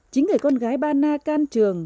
chính người con gái ba na can trường